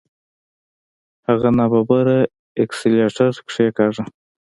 هغه ناببره اکسلېټر کېکاږه.